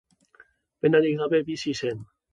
Penarik gabe bizi zen.